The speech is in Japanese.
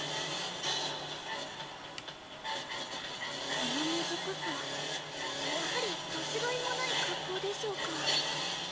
この短さやはり年がいもない格好でしょうか